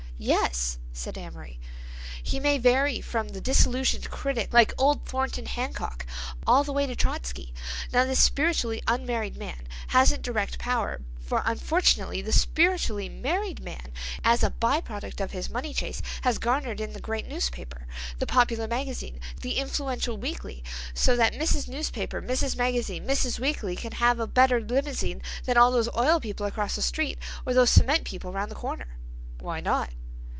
"Yes," said Amory. "He may vary from the disillusioned critic like old Thornton Hancock, all the way to Trotsky. Now this spiritually unmarried man hasn't direct power, for unfortunately the spiritually married man, as a by product of his money chase, has garnered in the great newspaper, the popular magazine, the influential weekly—so that Mrs. Newspaper, Mrs. Magazine, Mrs. Weekly can have a better limousine than those oil people across the street or those cement people 'round the corner." "Why not?"